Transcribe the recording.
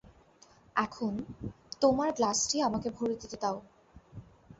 এখন, তোমার গ্লাসটি আমাকে ভরে দিতে দাও।